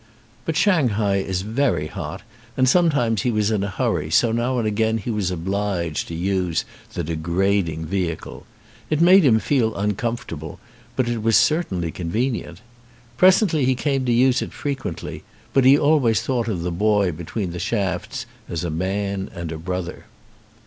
But Shanghai is very hot and sometimes he was in a hurry so now and again he was obliged to use the degrading vehicle. It made him feel uncomfortable, but it was certainly con venient. Presently he came to use it frequently, but he always thought of the boy between the shafts as a man and a brother.